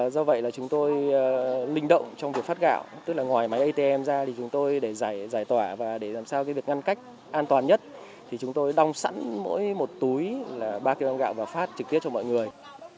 do vậy là chúng tôi linh động trong việc phát gạo tức là ngoài máy atm ra thì chúng tôi để giải tỏa và để làm sao việc ngăn cách an toàn nhất thì chúng tôi đong sẵn mỗi một túi là ba kg gạo và phát trực tiếp cho mọi người